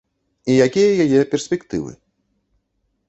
І якія яе перспектывы?